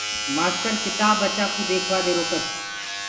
مآستر ڪِتآب ٻچآ ڪوُ ديکوآ دي روڪس۔